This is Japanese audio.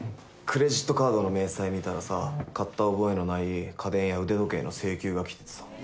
クレジットカードの明細見たらさ買った覚えのない家電や腕時計の請求がきててさ